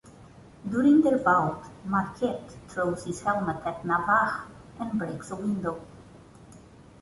During their bout, Marquet throws his helmet at Navarre and breaks a window.